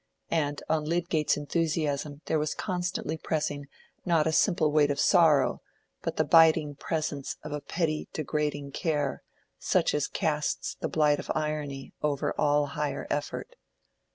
And on Lydgate's enthusiasm there was constantly pressing not a simple weight of sorrow, but the biting presence of a petty degrading care, such as casts the blight of irony over all higher effort.